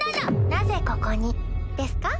なぜここに？ですか？